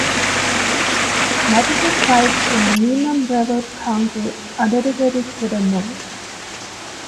Multiple sites in Mim and Brevard County are dedicated to the Moores.